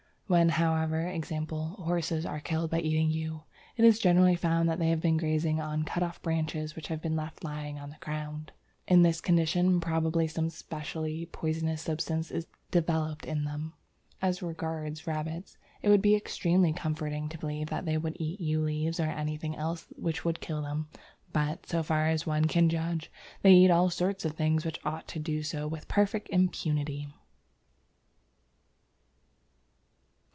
When, however, e.g., horses are killed by eating yew, it is generally found that they have been grazing on cut off branches which have been left lying on the ground. In this condition probably some specially poisonous substance is developed in them. As regards rabbits, it would be extremely comforting to believe that they would eat yew leaves or anything else which would kill them, but, so far as one can judge, they can eat all sorts of things which ought to do so with perfect impunity.